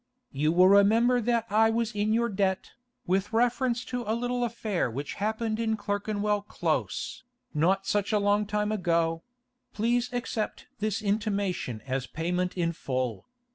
You will remember that I was in your debt, with reference to a little affair which happened in Clerkenwell Close, not such a long time ago; please accept this intimation as payment in full.